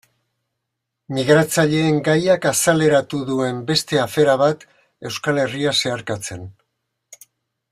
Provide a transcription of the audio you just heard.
Migratzaileen gaiak azaleratu duen beste afera bat, Euskal Herria zeharkatzen.